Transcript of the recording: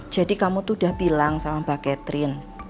jadi kamu tuh udah bilang sama mbak catherine